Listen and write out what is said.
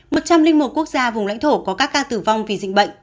một trăm linh một quốc gia vùng lãnh thổ có các ca tử vong vì dịch bệnh